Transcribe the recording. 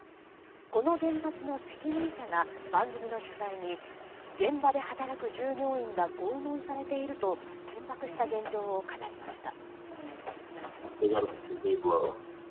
この原発の責任者が番組の取材に現場で働く従業員が拷問されていると緊迫した現状を語りました。